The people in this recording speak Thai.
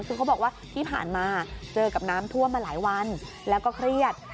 คือเขาบอกว่าที่ผ่านมาเจอกับน้ำท่วมมาหลายวันแล้วก็เครียด